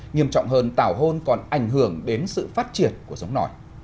nghiêm trọng hơn tảo hôn còn ảnh hưởng đến sự phát triển của sống nổi